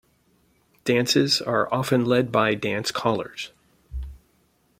Dances are often led by dance callers.